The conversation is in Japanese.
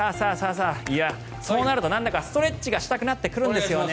そうなると、なんだかストレッチがしたくなってくるんですよね。